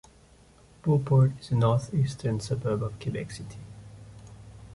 Beauport is a northeastern suburb of Quebec City.